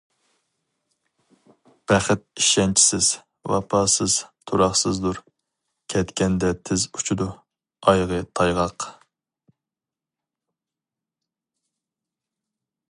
بەخت ئىشەنچسىز، ۋاپاسىز، تۇراقسىزدۇر، كەتكەندە تېز ئۇچىدۇ، ئايىغى تايغاق.